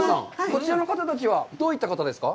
こちらの方たちはどういった方ですか？